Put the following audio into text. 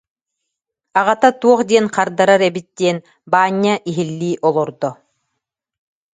Аҕата туох диэн хардарар эбит диэн Баанньа иһиллии олордо.